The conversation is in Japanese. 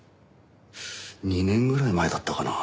２年ぐらい前だったかな？